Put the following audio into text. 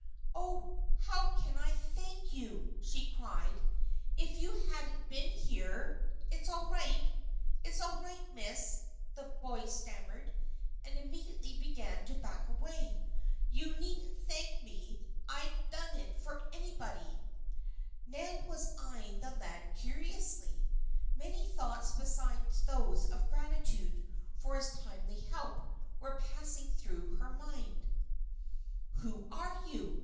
"Oh! how can I thank you?" she cried. "If you hadn't been here " "It's all right it's all right, Miss," the boy stammered, and immediately began to back away. "You needn't thank me. I'd have done it for anybody." Nan was eyeing the lad curiously. Many thoughts beside those of gratitude for his timely help, were passing through her mind. "Who are you?"